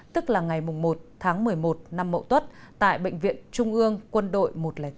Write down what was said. tức là ngày một tháng một mươi một năm mậu tuất tại bệnh viện trung ương quân đội một trăm linh tám